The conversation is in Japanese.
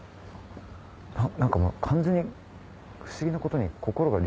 何か完全に不思議なことに。